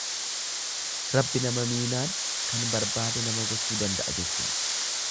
Rabbi nama miinaan kan barbaade nama gochuu danda'a jechuudha.